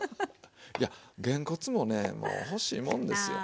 いやげんこつもねもう欲しいもんですよ。